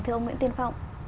thưa ông nguyễn tiên phong